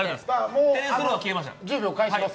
もう１０秒返します。